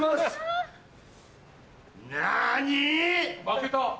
負けた！